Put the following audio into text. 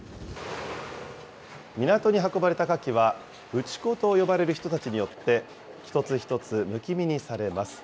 港に運ばれたかきは、打ち子と呼ばれる人たちによって一つ一つむき身にされます。